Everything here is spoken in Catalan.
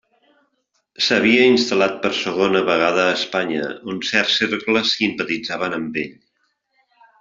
S'havia instal·lat per segona vegada a Espanya, on certs cercles simpatitzaven amb ell.